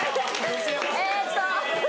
えっと。